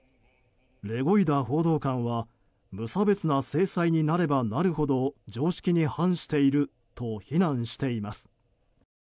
レゴイダ報道官は無差別な制裁になればなるほど常識に反していると非難しています。